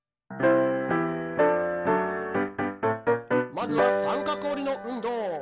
まずはさんかくおりのうんどう！